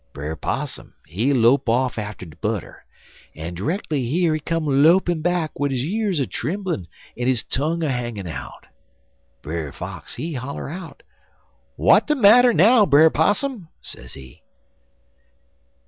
"Brer Possum, he lope off atter de butter, en dreckly here he come lopin' back wid his years a trimblin' en his tongue a hangin' out. Brer Fox, he holler out: "'W'at de matter now, Brer Possum?' sezee.